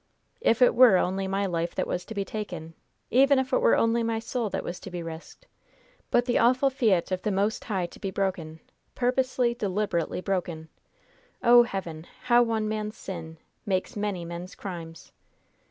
"If it were only my life that was to be taken! Even if it were only my soul that was to be risked! But the awful fiat of the Most High to be broken! Purposely, deliberately broken! Oh, Heaven! how one man's sin makes many men's crimes!"